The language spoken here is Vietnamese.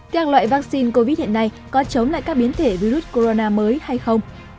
các loại vaccine covid hiện nay có chống lại các biến thể virus corona mới hay không